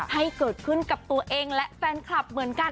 ให้เกิดขึ้นกับตัวเองและแฟนคลับเหมือนกัน